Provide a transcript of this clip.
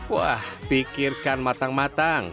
wah pikirkan matang matang